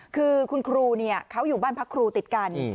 คือคุณครูเขาอยู่บ้านพักครูติดกัน